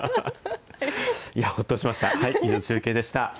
いや、ほっとしました。